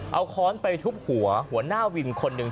เอาค้อนไปทุบหัวหัวหน้าวินคนหนึ่ง